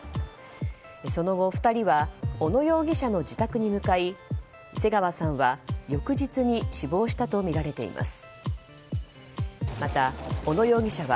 その後、２人は小野容疑者の自宅に向かい瀬川さんは翌日に死亡したとみられています。